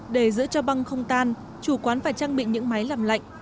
để giữ cho băng không tan chủ quán phải trang bị những máy làm lạnh